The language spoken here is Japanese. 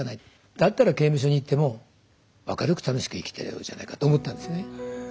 だったら刑務所に行っても明るく楽しく生きてようじゃないか」と思ったんですね。